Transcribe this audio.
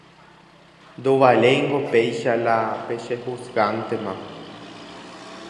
ndovaléingo péicha la pechejuzgántema.